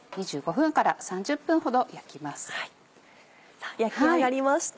さぁ焼き上がりました